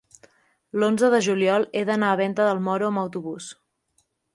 L'onze de juliol he d'anar a Venta del Moro amb autobús.